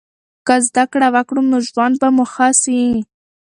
که زده کړه وکړو نو ژوند به مو ښه سي.